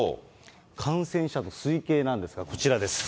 感染者の推計なんですが、こちらです。